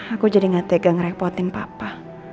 aku jadi gak tega ngerepotin papa